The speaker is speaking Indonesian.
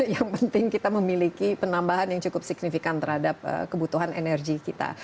yang penting kita memiliki penambahan yang cukup signifikan terhadap kebutuhan energi kita